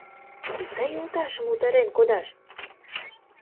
Кузе йолташым утарен кодаш?